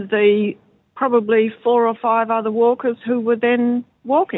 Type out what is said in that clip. yang lalu berjalan kaki